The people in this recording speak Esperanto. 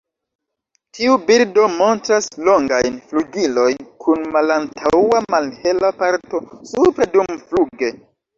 Tiu birdo montras longajn flugilojn kun malantaŭa malhela parto supre dumfluge.